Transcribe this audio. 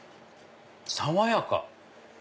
爽やか。